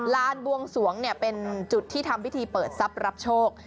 บวงสวงเป็นจุดที่ทำพิธีเปิดทรัพย์รับโชค